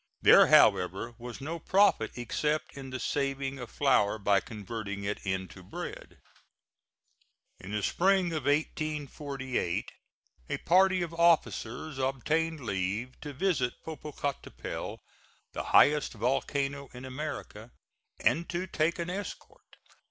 There, however, was no profit except in the saving of flour by converting it into bread. In the spring of 1848 a party of officers obtained leave to visit Popocatapetl, the highest volcano in America, and to take an escort.